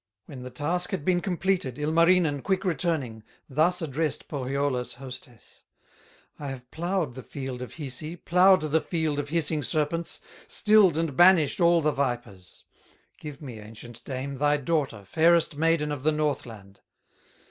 When the task had been completed, Ilmarinen, quick returning, Thus addressed Pohyola's hostess: "I have plowed the field of Hisi, Plowed the field of hissing serpents, Stilled and banished all the vipers; Give me, ancient dame, thy daughter, Fairest maiden of the Northland."